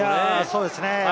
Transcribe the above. そうですね。